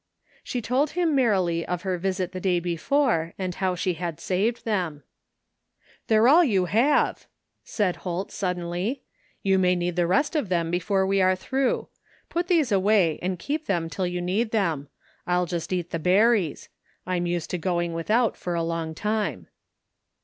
" She told him merrily of her visit the day before and how she had saved them. " They're all you have !" said Holt suddenly, " you may need the rest of them before we are through. Put these away and keep them till you need them. I'll just eat the berries. I'm used to going without for a long time."